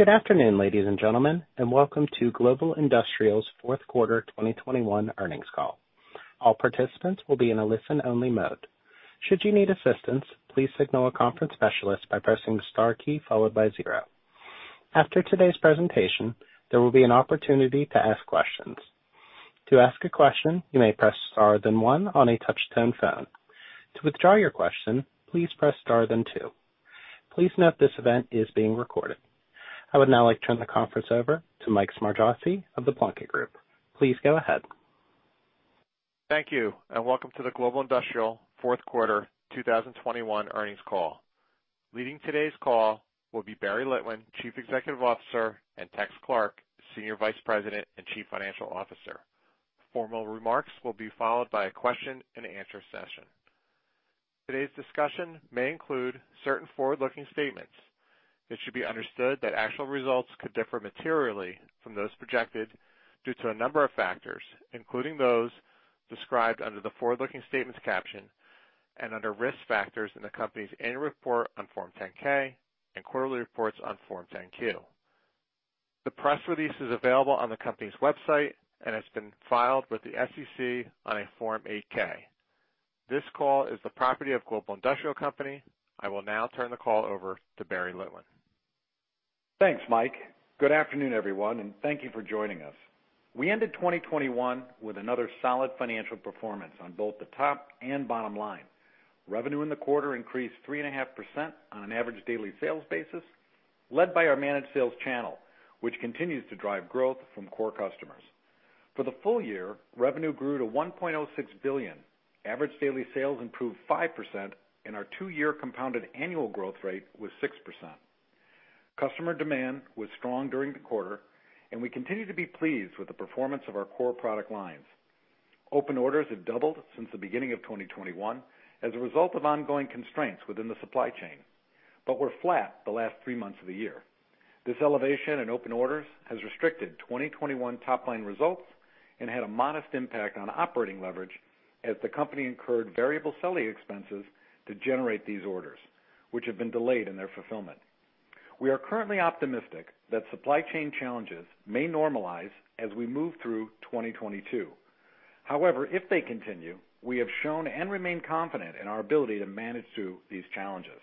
Good afternoon, ladies and gentlemen, and welcome to Global Industrial's fourth quarter 2021 earnings call. All participants will be in a listen-only mode. Should you need assistance, please signal a conference specialist by pressing star key followed by zero. After today's presentation, there will be an opportunity to ask questions. To ask a question, you may press star then one on a touch-tone phone. To withdraw your question, please press star then two. Please note this event is being recorded. I would now like to turn the conference over to Mike Smargiassi of The Plunkett Group. Please go ahead. Thank you, and welcome to the Global Industrial fourth quarter 2021 earnings call. Leading today's call will be Barry Litwin, Chief Executive Officer, and Tex Clark, Senior Vice President and Chief Financial Officer. Formal remarks will be followed by a question-and-answer session. Today's discussion may include certain forward-looking statements. It should be understood that actual results could differ materially from those projected due to a number of factors, including those described under the forward-looking statements caption and under Risk Factors in the company's annual report on Form 10-K and quarterly reports on Form 10-Q. The press release is available on the company's website and has been filed with the SEC on a Form 8-K. This call is the property of Global Industrial Company. I will now turn the call over to Barry Litwin. Thanks, Mike. Good afternoon, everyone, and thank you for joining us. We ended 2021 with another solid financial performance on both the top and bottom line. Revenue in the quarter increased 3.5% on an average daily sales basis, led by our managed sales channel, which continues to drive growth from core customers. For the full year, revenue grew to $1.06 billion. Average daily sales improved 5%, and our two-year compounded annual growth rate was 6%. Customer demand was strong during the quarter, and we continue to be pleased with the performance of our core product lines. Open orders have doubled since the beginning of 2021 as a result of ongoing constraints within the supply chain, but were flat the last three months of the year. This elevation in open orders has restricted 2021 top-line results and had a modest impact on operating leverage as the company incurred variable selling expenses to generate these orders, which have been delayed in their fulfillment. We are currently optimistic that supply chain challenges may normalize as we move through 2022. However, if they continue, we have shown and remain confident in our ability to manage through these challenges.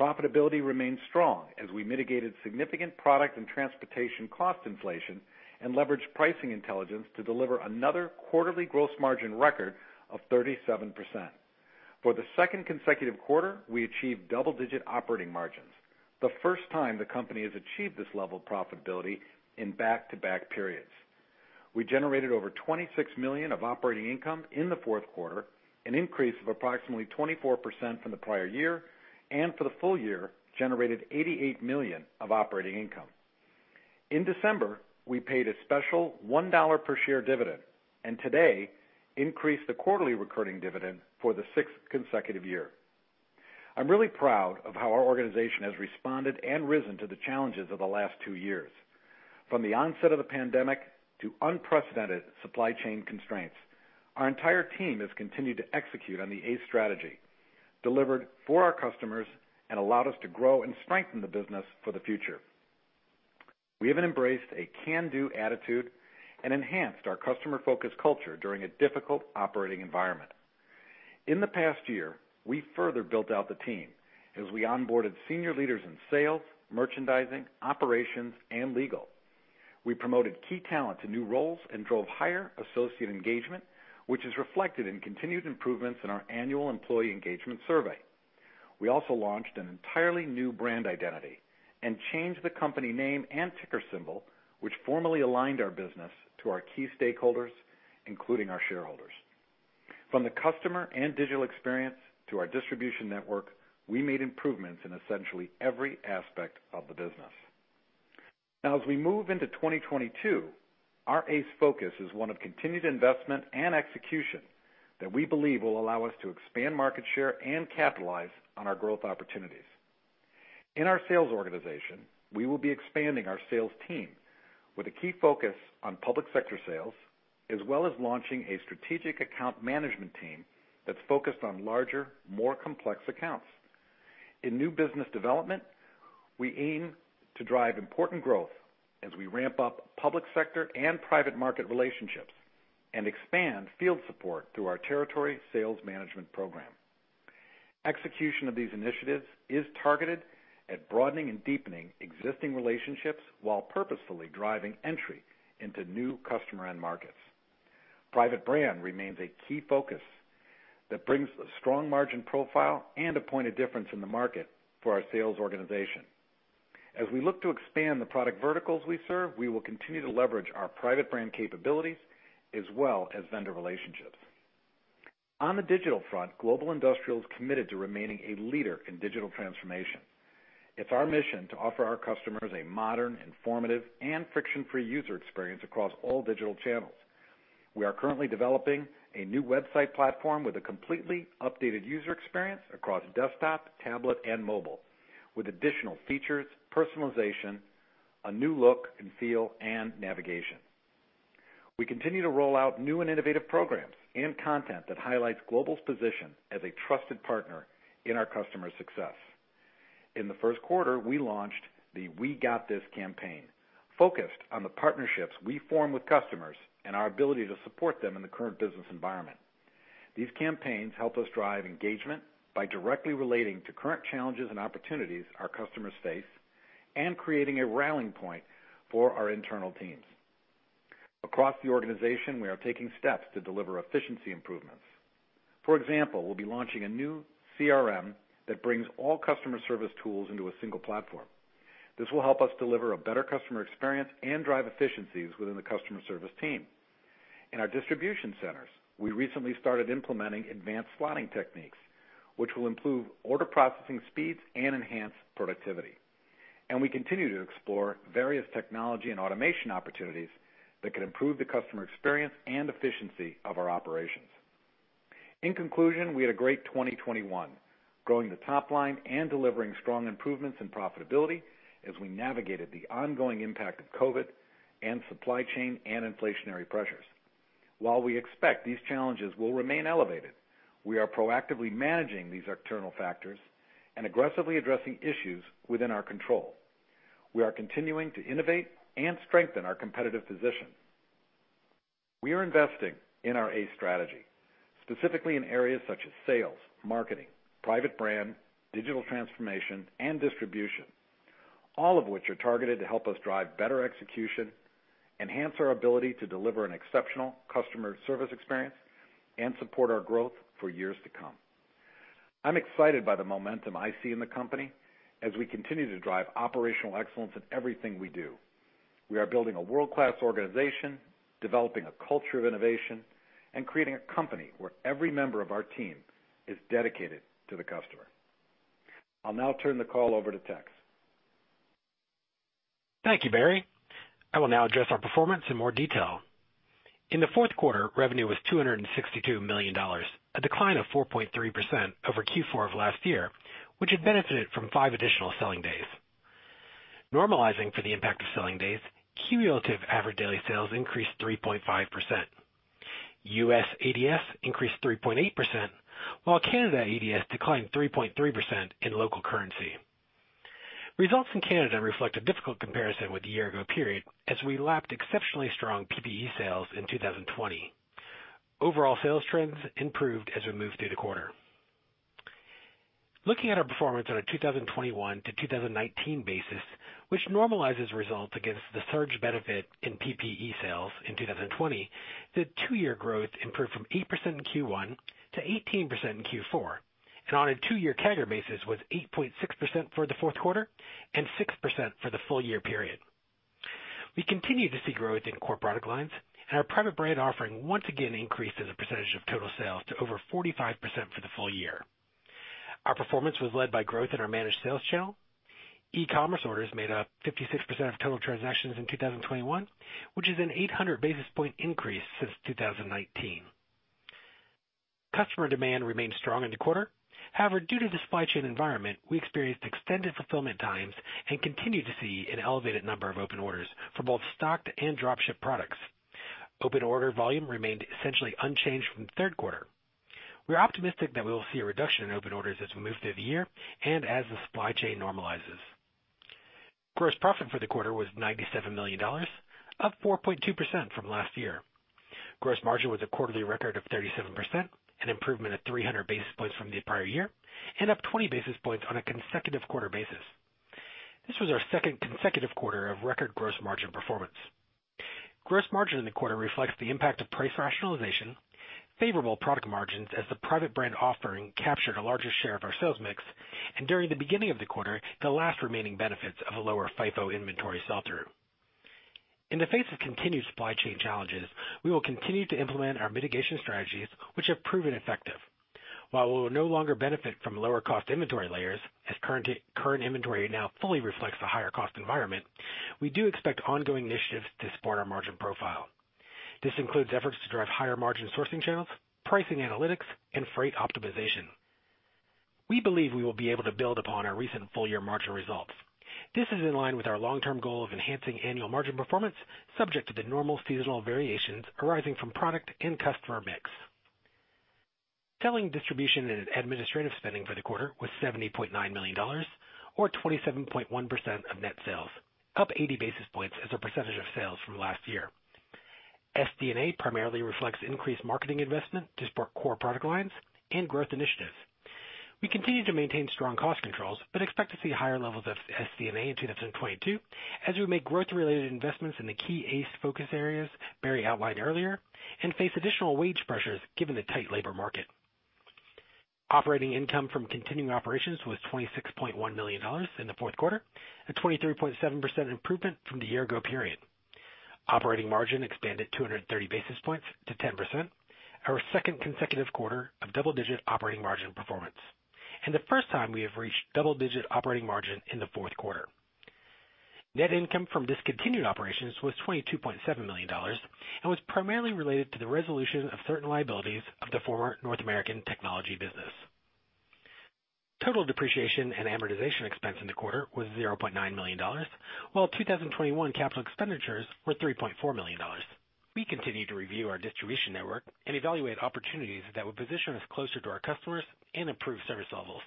Profitability remains strong as we mitigated significant product and transportation cost inflation and leveraged pricing intelligence to deliver another quarterly gross margin record of 37%. For the second consecutive quarter, we achieved double-digit operating margins, the first time the company has achieved this level of profitability in back-to-back periods. We generated over $26 million of operating income in the fourth quarter, an increase of approximately 24% from the prior year, and for the full year, generated $88 million of operating income. In December, we paid a special $1 per share dividend, and today increased the quarterly recurring dividend for the sixth consecutive year. I'm really proud of how our organization has responded and risen to the challenges of the last two years. From the onset of the pandemic to unprecedented supply chain constraints, our entire team has continued to execute on the ACE strategy, delivered for our customers, and allowed us to grow and strengthen the business for the future. We have embraced a can-do attitude and enhanced our customer-focused culture during a difficult operating environment. In the past year, we further built out the team as we onboarded senior leaders in sales, merchandising, operations, and legal. We promoted key talent to new roles and drove higher associate engagement, which is reflected in continued improvements in our annual employee engagement survey. We also launched an entirely new brand identity and changed the company name and ticker symbol, which formally aligned our business to our key stakeholders, including our shareholders. From the customer and digital experience to our distribution network, we made improvements in essentially every aspect of the business. Now, as we move into 2022, our ACE focus is one of continued investment and execution that we believe will allow us to expand market share and capitalize on our growth opportunities. In our sales organization, we will be expanding our sales team with a key focus on public sector sales, as well as launching a strategic account management team that's focused on larger, more complex accounts. In new business development, we aim to drive important growth as we ramp up public sector and private market relationships and expand field support through our territory sales management program. Execution of these initiatives is targeted at broadening and deepening existing relationships while purposefully driving entry into new customer end markets. Private brand remains a key focus that brings a strong margin profile and a point of difference in the market for our sales organization. As we look to expand the product verticals we serve, we will continue to leverage our private brand capabilities as well as vendor relationships. On the digital front, Global Industrial is committed to remaining a leader in digital transformation. It's our mission to offer our customers a modern, informative, and friction-free user experience across all digital channels. We are currently developing a new website platform with a completely updated user experience across desktop, tablet, and mobile with additional features, personalization, a new look and feel, and navigation. We continue to roll out new and innovative programs and content that highlights Global's position as a trusted partner in our customer success. In the first quarter, we launched the We Got This campaign, focused on the partnerships we form with customers and our ability to support them in the current business environment. These campaigns help us drive engagement by directly relating to current challenges and opportunities our customers face and creating a rallying point for our internal teams. Across the organization, we are taking steps to deliver efficiency improvements. For example, we'll be launching a new CRM that brings all customer service tools into a single platform. This will help us deliver a better customer experience and drive efficiencies within the customer service team. In our distribution centers, we recently started implementing advanced spotting techniques, which will improve order processing speeds and enhance productivity. We continue to explore various technology and automation opportunities that can improve the customer experience and efficiency of our operations. In conclusion, we had a great 2021, growing the top line and delivering strong improvements in profitability as we navigated the ongoing impact of COVID and supply chain and inflationary pressures. While we expect these challenges will remain elevated, we are proactively managing these external factors and aggressively addressing issues within our control. We are continuing to innovate and strengthen our competitive position. We are investing in our ACE strategy, specifically in areas such as sales, marketing, private brand, digital transformation, and distribution, all of which are targeted to help us drive better execution, enhance our ability to deliver an exceptional customer service experience, and support our growth for years to come. I'm excited by the momentum I see in the company as we continue to drive operational excellence in everything we do. We are building a world-class organization, developing a culture of innovation, and creating a company where every member of our team is dedicated to the customer. I'll now turn the call over to Tex. Thank you, Barry. I will now address our performance in more detail. In the fourth quarter, revenue was $262 million, a decline of 4.3% over Q4 of last year, which had benefited from five additional selling days. Normalizing for the impact of selling days, cumulative average daily sales increased 3.5%. U.S. ADS increased 3.8%, while Canada ADS declined 3.3% in local currency. Results in Canada reflect a difficult comparison with the year ago period as we lapped exceptionally strong PPE sales in 2020. Overall sales trends improved as we moved through the quarter. Looking at our performance on a 2021-2019 basis, which normalizes results against the surge benefit in PPE sales in 2020, the two-year growth improved from 8% in Q1 to 18% in Q4, and on a two-year CAGR basis was 8.6% for the fourth quarter and 6% for the full year period. We continue to see growth in core product lines, and our private brand offering once again increased as a percentage of total sales to over 45% for the full year. Our performance was led by growth in our managed sales channel. E-commerce orders made up 56% of total transactions in 2021, which is an 800 basis point increase since 2019. Customer demand remained strong in the quarter. However, due to the supply chain environment, we experienced extended fulfillment times and continued to see an elevated number of open orders for both stocked and dropship products. Open order volume remained essentially unchanged from the third quarter. We are optimistic that we will see a reduction in open orders as we move through the year and as the supply chain normalizes. Gross profit for the quarter was $97 million, up 4.2% from last year. Gross margin was a quarterly record of 37%, an improvement of 300 basis points from the prior year, and up 20 basis points on a consecutive quarter basis. This was our second consecutive quarter of record gross margin performance. Gross margin in the quarter reflects the impact of price rationalization, favorable product margins as the private brand offering captured a larger share of our sales mix, and during the beginning of the quarter, the last remaining benefits of a lower FIFO inventory sell-through. In the face of continued supply chain challenges, we will continue to implement our mitigation strategies, which have proven effective. While we will no longer benefit from lower cost inventory layers, as current inventory now fully reflects the higher cost environment, we do expect ongoing initiatives to support our margin profile. This includes efforts to drive higher margin sourcing channels, pricing analytics, and freight optimization. We believe we will be able to build upon our recent full year margin results. This is in line with our long-term goal of enhancing annual margin performance subject to the normal seasonal variations arising from product and customer mix. Selling, distribution, and administrative spending for the quarter was $70.9 million or 27.1% of net sales, up 80 basis points as a percentage of sales from last year. SD&A primarily reflects increased marketing investment to support core product lines and growth initiatives. We continue to maintain strong cost controls, but expect to see higher levels of SD&A in 2022 as we make growth-related investments in the key ACE focus areas Barry outlined earlier and face additional wage pressures given the tight labor market. Operating income from continuing operations was $26.1 million in the fourth quarter, a 23.7% improvement from the year ago period. Operating margin expanded 230 basis points to 10%, our second consecutive quarter of double-digit operating margin performance and the first time we have reached double-digit operating margin in the fourth quarter. Net income from discontinued operations was $22.7 million and was primarily related to the resolution of certain liabilities of the former North American technology business. Total depreciation and amortization expense in the quarter was $0.9 million, while 2021 capital expenditures were $3.4 million. We continue to review our distribution network and evaluate opportunities that would position us closer to our customers and improve service levels.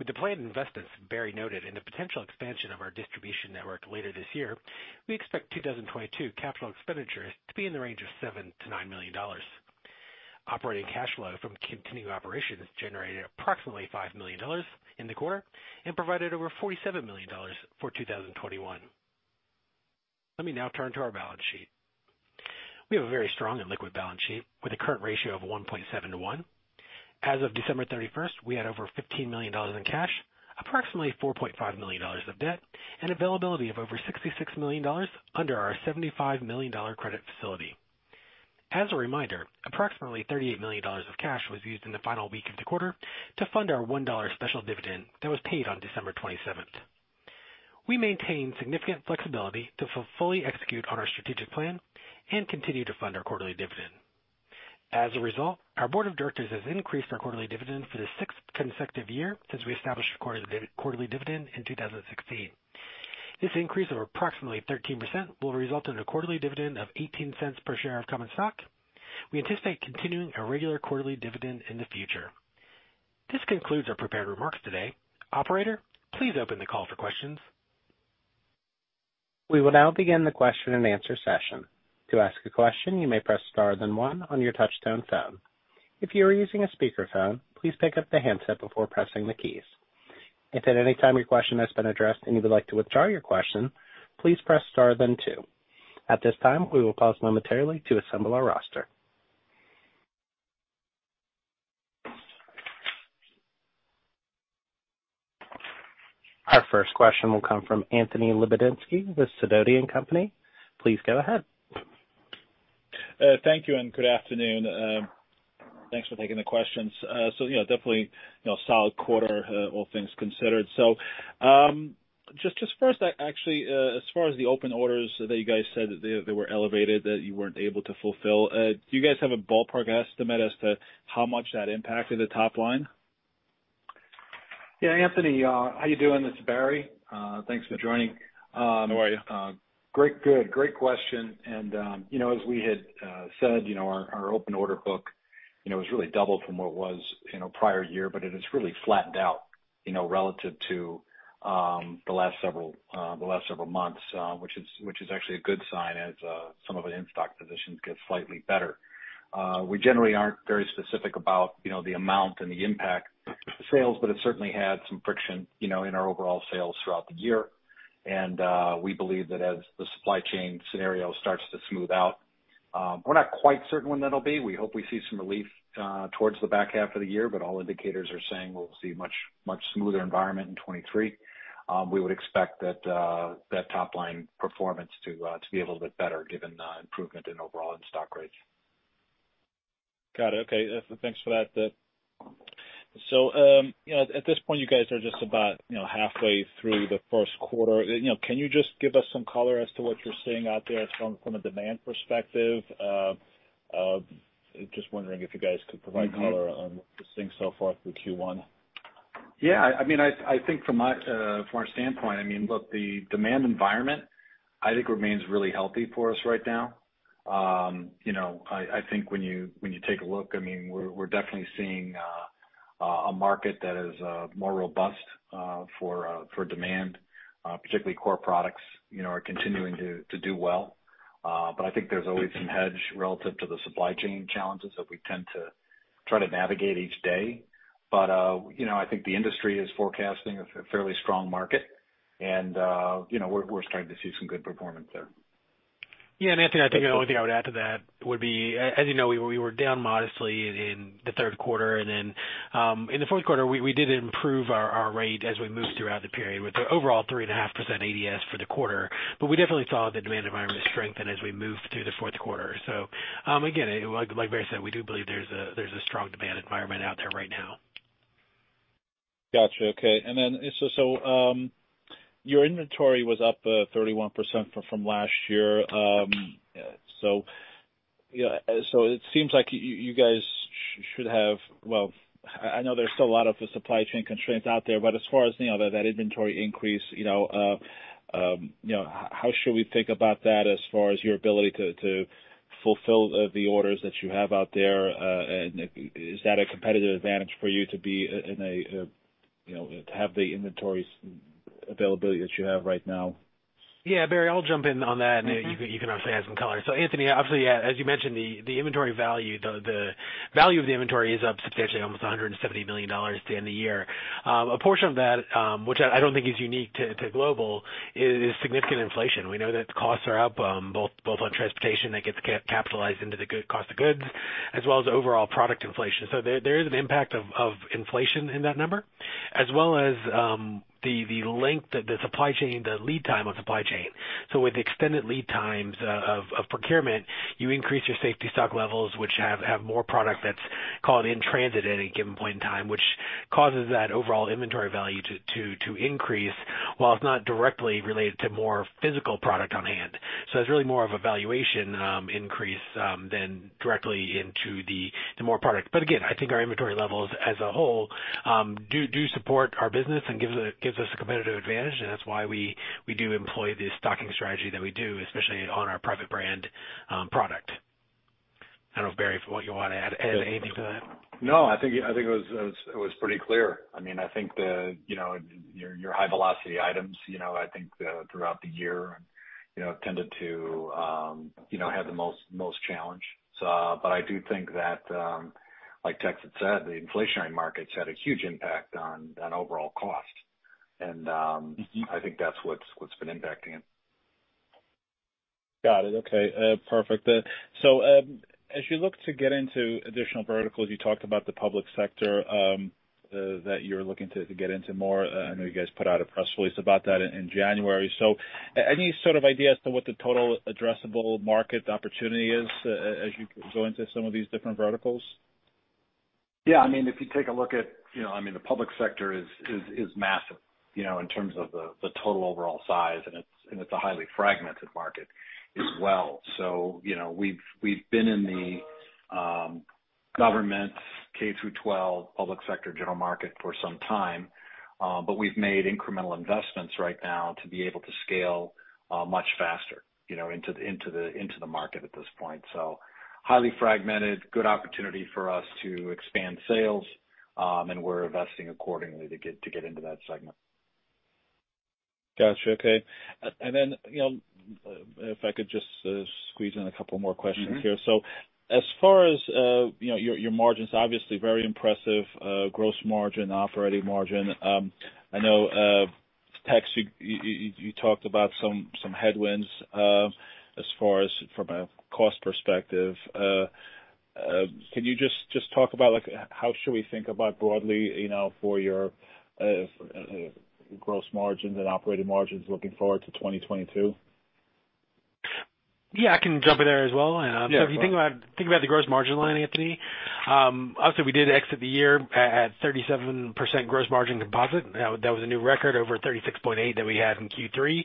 With the planned investments Barry noted in the potential expansion of our distribution network later this year, we expect 2022 capital expenditures to be in the range of $7 million-$9 million. Operating cash flow from continuing operations generated approximately $5 million in the quarter and provided over $47 million for 2021. Let me now turn to our balance sheet. We have a very strong and liquid balance sheet with a current ratio of 1.7 to one. As of December 31st, we had over $15 million in cash, approximately $4.5 million of debt, and availability of over $66 million under our $75 million credit facility. As a reminder, approximately $38 million of cash was used in the final week of the quarter to fund our $1 special dividend that was paid on December 27th. We maintain significant flexibility to fully execute on our strategic plan and continue to fund our quarterly dividend. As a result, our board of directors has increased our quarterly dividend for the sixth consecutive year since we established a quarterly dividend in 2016. This increase of approximately 13% will result in a quarterly dividend of $0.18 per share of common stock. We anticipate continuing a regular quarterly dividend in the future. This concludes our prepared remarks today. Operator, please open the call for questions. We will now begin the question and answer session. To ask a question, you may press star then one on your touch-tone phone. If you are using a speakerphone, please pick up the handset before pressing the keys. If at any time your question has been addressed and you would like to withdraw your question, please press star then two. At this time, we will pause momentarily to assemble our roster. Our first question will come from Anthony Lebiedzinski with Sidoti & Company. Please go ahead. Thank you, and good afternoon. Thanks for taking the questions. You know, definitely, you know, solid quarter, all things considered. Just first, actually, as far as the open orders that you guys said that they were elevated that you weren't able to fulfill, do you guys have a ballpark estimate as to how much that impacted the top line? Yeah, Anthony, how you doing? This is Barry. Thanks for joining. How are you? Great. Good. Great question. You know, as we had said, you know, our open order book, you know, has really doubled from what it was, you know, prior year, but it has really flattened out, you know, relative to the last several months, which is actually a good sign as some of the in-stock positions get slightly better. We generally aren't very specific about the amount and the impact to sales, but it certainly had some friction in our overall sales throughout the year. We believe that as the supply chain scenario starts to smooth out, we're not quite certain when that'll be. We hope we see some relief towards the back half of the year, but all indicators are saying we'll see much, much smoother environment in 2023. We would expect that top line performance to be a little bit better given the improvement in overall in-stock rates. Got it. Okay. Thanks for that. You know, at this point, you guys are just about, you know, halfway through the first quarter. You know, can you just give us some color as to what you're seeing out there from a demand perspective? Just wondering if you guys could provide color. Mm-hmm. on the things so far through Q1? Yeah. I mean, I think from our standpoint, I mean, look, the demand environment, I think remains really healthy for us right now. You know, I think when you take a look, I mean, we're definitely seeing a market that is more robust for demand, particularly core products, you know, are continuing to do well. I think there's always some hedge relative to the supply chain challenges that we tend to try to navigate each day. You know, I think the industry is forecasting a fairly strong market and, you know, we're starting to see some good performance there. Yeah, Anthony, I think the only thing I would add to that would be, as you know, we were down modestly in the third quarter, and then in the fourth quarter, we did improve our rate as we moved throughout the period with the overall 3.5% ADS for the quarter. We definitely saw the demand environment strengthen as we moved through the fourth quarter. Again, like Barry said, we do believe there's a strong demand environment out there right now. Gotcha. Okay. Your inventory was up 31% from last year. You know, it seems like you guys should have. Well, I know there's still a lot of the supply chain constraints out there, but as far as you know, that inventory increase, you know, how should we think about that as far as your ability to fulfill the orders that you have out there? Is that a competitive advantage for you know, to have the inventory availability that you have right now? Yeah, Barry, I'll jump in on that, and you can obviously add some color. Anthony, obviously, as you mentioned, the inventory value, the value of the inventory is up substantially almost $170 million to end the year. A portion of that, which I don't think is unique to Global is significant inflation. We know that costs are up, both on transportation that gets capitalized into the cost of goods as well as overall product inflation. There is an impact of inflation in that number as well as the length of the supply chain, the lead time on supply chain. With the extended lead times of procurement, you increase your safety stock levels, which have more product that's called in transit at any given point in time, which causes that overall inventory value to increase while it's not directly related to more physical product on hand. It's really more of a valuation increase than directly into the more product. Again, I think our inventory levels as a whole do support our business and gives us a competitive advantage, and that's why we do employ the stocking strategy that we do, especially on our private brand product. Barry, for what you want to add anything to that? No, I think it was pretty clear. I mean, I think you know, your high velocity items you know, I think throughout the year you know, tended to have the most challenge. But I do think that like Tex had said, the inflationary markets had a huge impact on overall cost. Mm-hmm I think that's what's been impacting it. Got it. Okay. Perfect. So, as you look to get into additional verticals, you talked about the public sector, that you're looking to get into more. I know you guys put out a press release about that in January. Any sort of idea as to what the total addressable market opportunity is as you go into some of these different verticals? Yeah, I mean, if you take a look at, you know, I mean, the public sector is massive, you know, in terms of the total overall size, and it's a highly fragmented market as well. You know, we've been in the government K-through-twelve public sector general market for some time, but we've made incremental investments right now to be able to scale much faster, you know, into the market at this point. Highly fragmented, good opportunity for us to expand sales, and we're investing accordingly to get into that segment. Got you. Okay. Then, you know, if I could just, squeeze in a couple more questions here. Mm-hmm. As far as, you know, your margins, obviously very impressive, gross margin, operating margin. I know, Tex, you talked about some headwinds, as far as from a cost perspective. Can you just talk about like how should we think about broadly, you know, for your gross margins and operating margins looking forward to 2022? Yeah, I can jump in there as well. Yeah, go on. If you think about the gross margin line, Anthony, obviously we did exit the year at 37% gross margin composite. That was a new record over 36.8 that we had in Q3.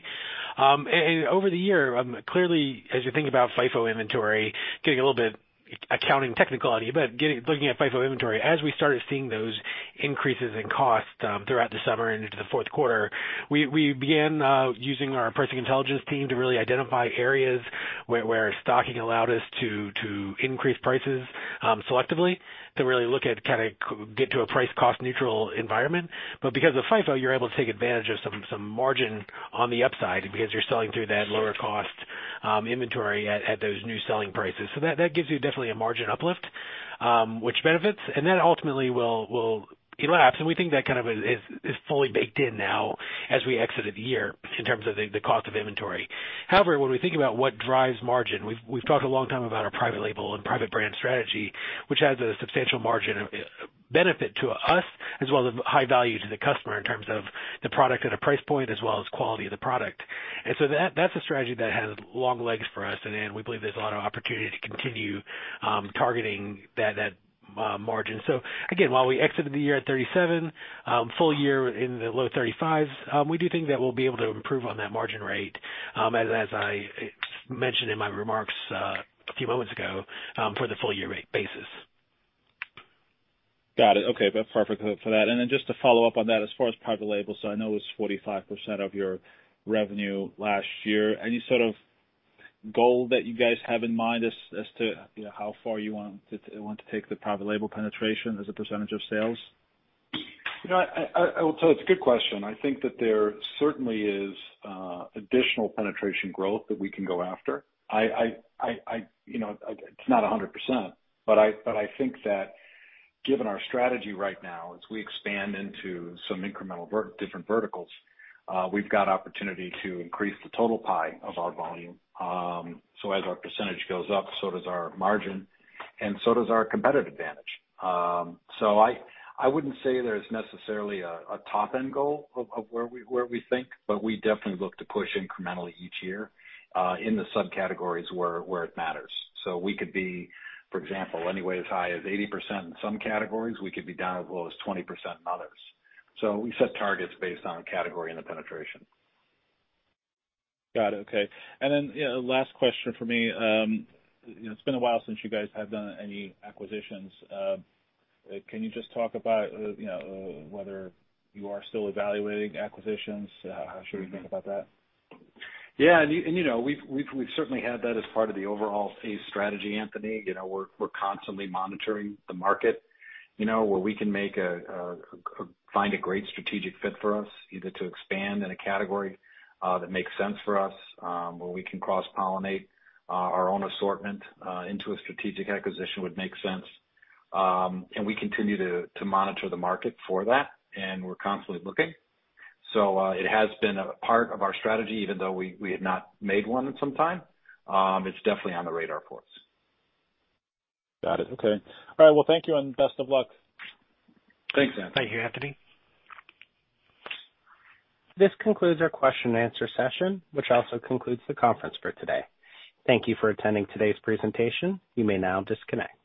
And over the year, clearly as you think about FIFO inventory, getting a little bit accounting technicality, but looking at FIFO inventory, as we started seeing those increases in cost throughout the summer and into the fourth quarter, we began using our pricing intelligence team to really identify areas where stocking allowed us to increase prices selectively to really look at kind of get to a price cost neutral environment. Because of FIFO, you're able to take advantage of some margin on the upside because you're selling through that lower cost inventory at those new selling prices. That gives you definitely a margin uplift, which benefits, and that ultimately will elapse. We think that kind of is fully baked in now as we exited the year in terms of the cost of inventory. However, when we think about what drives margin, we've talked a long time about our private label and private brand strategy, which adds a substantial margin benefit to us as well as high value to the customer in terms of the product at a price point as well as quality of the product. That's a strategy that has long legs for us. We believe there's a lot of opportunity to continue targeting that margin. Again, while we exited the year at 37%, full year in the low 35s%, we do think that we'll be able to improve on that margin rate, as I mentioned in my remarks a few moments ago, for the full year rate basis. Got it. Okay. Perfect for that. Just to follow up on that, as far as private label, so I know it was 45% of your revenue last year. Any sort of goal that you guys have in mind as to how far you want to take the private label penetration as a percentage of sales? You know, I will tell you, it's a good question. I think that there certainly is additional penetration growth that we can go after. You know, it's not 100%, but I think that given our strategy right now as we expand into some incremental different verticals, we've got opportunity to increase the total pie of our volume. So as our percentage goes up, so does our margin and so does our competitive advantage. So I wouldn't say there's necessarily a top end goal of where we think, but we definitely look to push incrementally each year in the subcategories where it matters. So we could be, for example, anywhere as high as 80% in some categories, we could be down as low as 20% in others. We set targets based on category and the penetration. Got it. Okay. You know, last question for me. You know, it's been a while since you guys have done any acquisitions. Can you just talk about, you know, whether you are still evaluating acquisitions? How should we think about that? Yeah. You know, we've certainly had that as part of the overall M&A strategy, Anthony. You know, we're constantly monitoring the market, you know, where we can find a great strategic fit for us, either to expand in a category that makes sense for us, where we can cross-pollinate our own assortment into a strategic acquisition would make sense. We continue to monitor the market for that, and we're constantly looking. It has been a part of our strategy, even though we had not made one in some time. It's definitely on the radar for us. Got it. Okay. All right. Well, thank you and best of luck. Thanks, Anthony. Thank you, Anthony. This concludes our question and answer session, which also concludes the conference for today. Thank you for attending today's presentation. You may now disconnect.